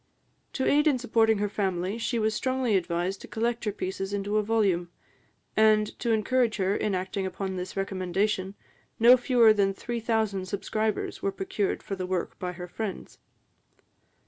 To aid in supporting her family, she was strongly advised to collect her pieces into a volume; and, to encourage her in acting upon this recommendation, no fewer than three thousand subscribers were procured for the work by her friends.